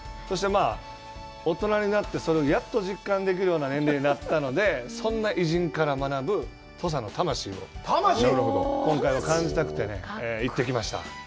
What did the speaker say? そして、大人になって、それをやっと実感できるような年齢になったので、そんな偉人から学ぶ土佐の魂を今回は感じたくてね、行ってきました。